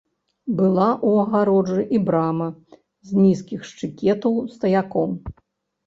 Была ў агароджы і брама з нізкіх шчыкетаў стаяком.